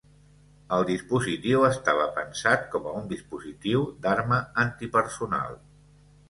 El dispositiu estava pensat com a un dispositiu d'arma anti-personal.